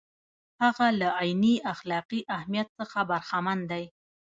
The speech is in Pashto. هغه له عیني اخلاقي اهمیت څخه برخمن دی.